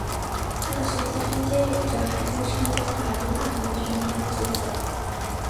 他的实际军阶有着海军上将和海军大臣的权力和职责。